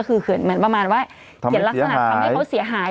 คือเขียนเหมือนประมาณว่าเห็นลักษณะแล้วทำให้เขาเสียหาย